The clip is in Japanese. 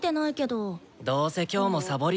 どうせ今日もサボりでしょ。